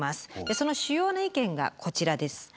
その主要な意見がこちらです。